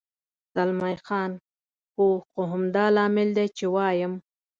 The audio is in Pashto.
زلمی خان: هو، خو همدا لامل دی، چې وایم.